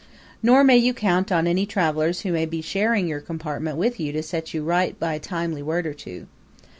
Nor may you count on any travelers who may be sharing your compartment with you to set you right by a timely word or two.